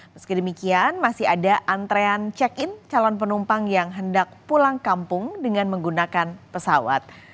meski demikian masih ada antrean check in calon penumpang yang hendak pulang kampung dengan menggunakan pesawat